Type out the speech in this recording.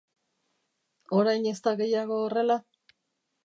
Orain ez da gehiago horrela?